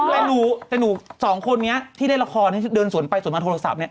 ไม่รู้แต่หนู๒คนนี้ที่เล่นละครเดินสวนไปส่วนบันโทรศัพท์นี่